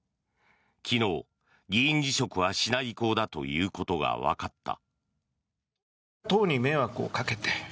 昨日、議員辞職はしない意向だということがわかった。